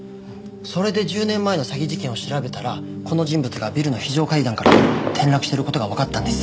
それで１０年前の詐欺事件を調べたらこの人物がビルの非常階段から転落している事がわかったんです。